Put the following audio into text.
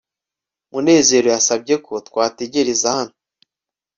munezero yasabye ko twategereza hano